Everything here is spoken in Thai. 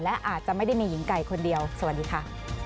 และอาจจะไม่ได้มีหญิงไก่คนเดียวสวัสดีค่ะ